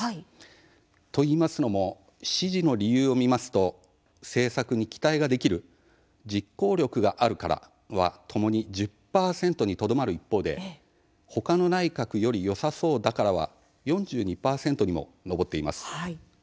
と言いますのも支持の理由を見ますと「政策に期待ができる」「実行力があるから」はともに１０％にとどまる一方で「ほかの内閣より良さそうだから」は４２％にも上っています。